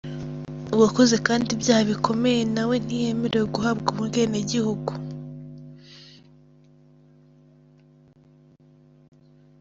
Uwakoze kandi ibyaha bikomeye na we ntiyemerewe guhabwa ubwenegihugu.